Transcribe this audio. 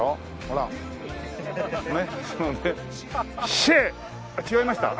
あっ違いました？